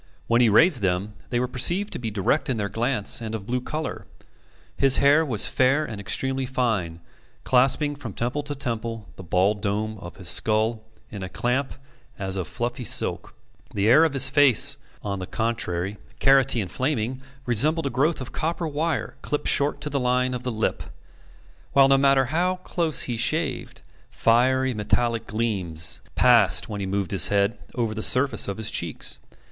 When he raised them, they were perceived to be direct in their glance and of blue colour. His hair was fair and extremely fine, clasping from temple to temple the bald dome of his skull in a clamp as of fluffy silk. The hair of his face, on the contrary, carroty and flaming, resembled a growth of copper wire clipped short to the line of the lip; while, no matter how close he shaved, fiery metallic gleams passed, when he moved his head, over the surface of his cheeks.